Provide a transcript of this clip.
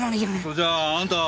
それじゃああんた。